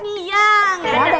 iya gak ada